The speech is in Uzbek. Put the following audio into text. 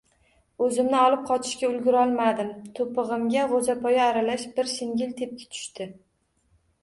Oʻzimni olib qochishga ulgurolmadim – toʻpigʻimga gʻoʻzapoya aralash “bir shingil” tepki tushdi.